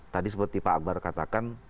tadi seperti pak akbar katakan